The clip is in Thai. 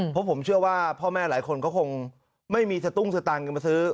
เพราะผมเชื่อว่าพ่อแม่หลายคนก็คงไม่มีสตุ้งสตังค์กันมาซื้อ